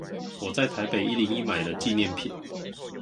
我在台北一零一買了紀念品